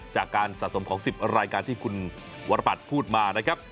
จากการสะสมของ๑๐รายการที่คุณวรปัตรพูดมานะครับ